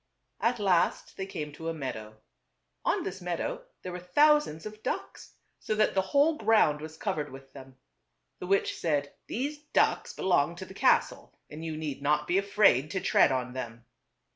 At last they came to a meadow. On this meadow there were thousands of ducks, so that ,' jj e the whole ground was cov Waek ered with them. The witch said, " These ducks belong to the castle, and you need not be afraid to tread on them."